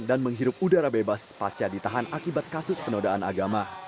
dan menghirup udara bebas sepasca ditahan akibat kasus penodaan agama